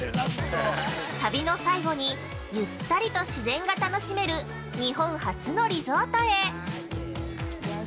◆旅の最後に、ゆったりと自然が楽しめる日本初のリゾートへ。